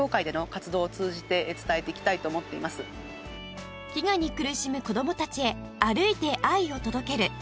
岡田さんが飢餓に苦しむ子どもたちへ歩いて愛を届ける